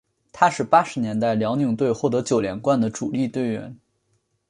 他是八十年代辽宁队获得九连冠的主力队员。